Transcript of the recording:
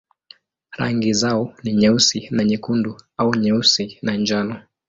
Rangi zao ni nyeusi na nyekundu au nyeusi na njano.